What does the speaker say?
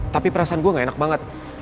tapi perasaan gue gak enak banget